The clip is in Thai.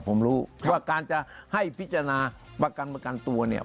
ผมรู้ว่าการจะให้พิจารณาประกันประกันตัวเนี่ย